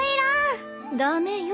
駄目よ。